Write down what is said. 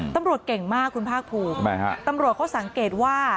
ตำรวจเก่งมากคุณภาคภูมิทำไมฮะตำรวจเขาสังเกตว่า